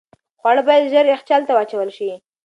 خواړه باید ژر یخچال ته واچول شي.